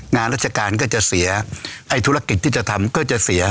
งานราชการก็จะเสียไอ้ธุรกิจที่จะทำก็จะเสีย